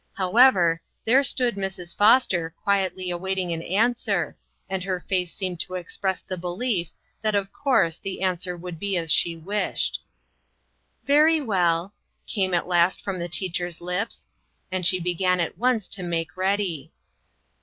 However, there stood Mrs. Foster quietly awaiting an answer, and her face seemed to express the belief that of course, the answer would be as she wished. "Very well," came at last from the teach er's lips, and she began at once to make ready.